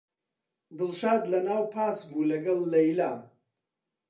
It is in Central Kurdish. دڵشاد لەناو پاس بوو لەگەڵ لەیلا.